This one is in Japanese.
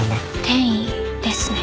転移ですね。